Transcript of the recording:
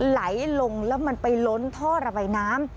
ไหลลงแล้วมันไปล้นท่อระบายน้ำ